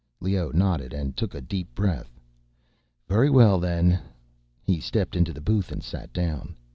Leoh nodded and took a deep breath. "Very well then." He stepped into the booth and sat down.